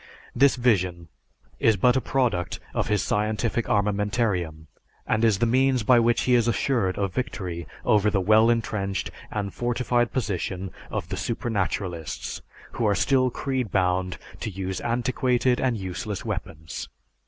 This vision is but a product of his scientific armamentarium and is the means by which he is assured of victory over the well entrenched and fortified position of the supernaturalists who are still creed bound to use antiquated and useless weapons.